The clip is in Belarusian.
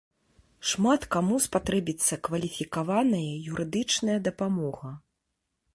Шмат каму спатрэбіцца кваліфікаваная юрыдычная дапамога.